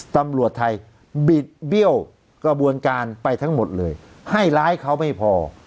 ตำรวจไทยบิดเบี้ยวกระบวนการไปทั้งหมดเลยให้ร้ายเขาไม่พอ